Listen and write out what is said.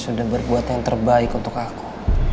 sudah berbuat yang terbaik untuk aku